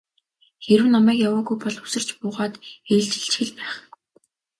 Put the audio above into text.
Хэрэв намайг яваагүй бол үсэрч буугаад ээлжилчих л байх.